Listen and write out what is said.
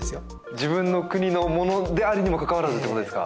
自分の国のものであるにもかかわらずということですか？